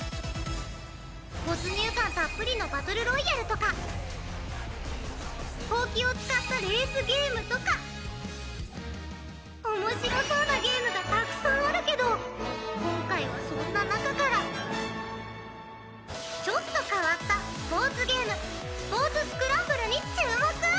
没入感たっぷりのバトルロイヤルとかホウキを使ったレースゲームとか面白そうなゲームがたくさんあるけど今回はそんな中からちょっと変わったスポーツゲーム『ＳｐｏｒｔｓＳｃｒａｍｂｌｅ』に注目！